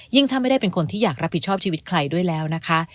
ท่านไม่ได้เป็นคนที่อยากรับผิดชอบชีวิตใครด้วยแล้วนะคะ